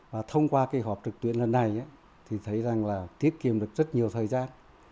và thông qua cái họp trực tuyến lần này thì thấy rằng là tiết kiệm được rất nhiều thời gian